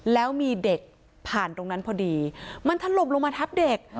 แล้วมีเด็กผ่านตรงนั้นพอดีมันถล่มลงมาทับเด็ก